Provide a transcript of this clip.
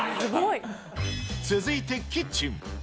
続いてキッチン。